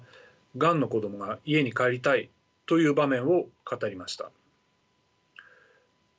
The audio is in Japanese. がんの子どもが家に帰りたいと言う場面を語りました。